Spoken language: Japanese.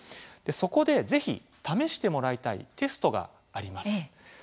そこで、ぜひ試してもらいたいテストがあります。